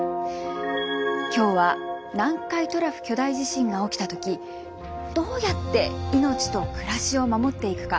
今日は南海トラフ巨大地震が起きた時どうやって命と暮らしを守っていくか。